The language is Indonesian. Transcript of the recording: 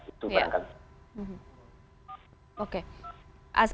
itu bagian kami